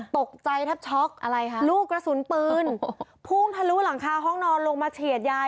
ตกใจแทบช็อกอะไรคะลูกกระสุนปืนพุ่งทะลุหลังคาห้องนอนลงมาเฉียดยาย